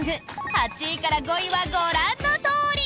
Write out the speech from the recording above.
８位から５位はご覧のとおり。